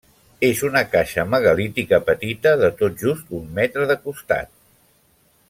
És una caixa megalítica petita, de tot just un metre de costat.